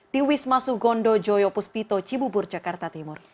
di wisma sugondo joyo puspito cibubur jakarta timur